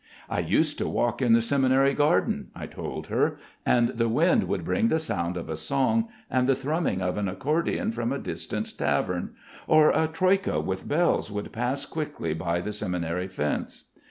"I used to walk in the seminary garden," I tell her, "and the wind would bring the sound of a song and the thrumming of an accordion from a distant tavern, or a troika with bells would pass quickly by the seminary fence.